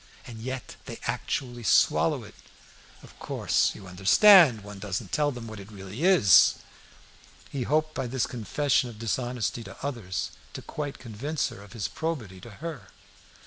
And yet they actually swallow it! Of course you understand one doesn't tell them what it really is!" He hoped by this confession of dishonesty to others to quite convince her of his probity to her.